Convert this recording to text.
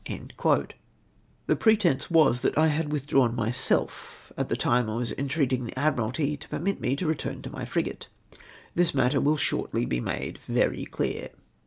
"* The pretence was, that I had withdrawn myself ! at the time I Avas entreating the Admiralty to permit me to return to my frigate ! This matter will shortl}' be made very clear.